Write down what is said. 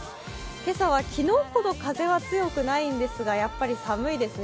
今朝は昨日ほど風は強くないんですが、やっぱり寒いですね。